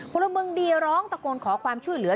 พลเมืองดีร้องตะโกนขอความช่วยเหลือ